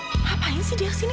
apaan kamu saja ke sini